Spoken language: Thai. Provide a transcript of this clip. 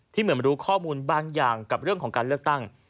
เหมือนรู้ข้อมูลบางอย่างกับเรื่องของการเลือกตั้ง